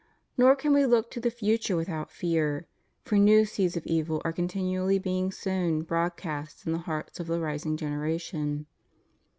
Nor can we look to the future without fear; for new seeds of evil are con tinually being sown broadcast in the hearts of the rising generation.